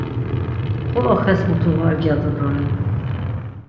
Xolo xes mutu var gyadu doren.